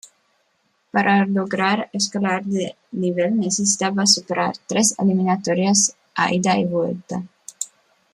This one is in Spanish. Para lograr escalar de nivel necesitaba superar tres eliminatorias a ida y vuelta.